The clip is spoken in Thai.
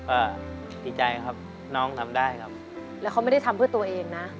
ก็ดีใจครับน้องทำได้ครับแล้วเขาไม่ได้ทำเพื่อตัวเองนะ